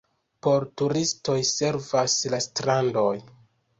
Por turistoj servas la strandoj.